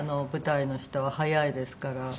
舞台の人は速いですから。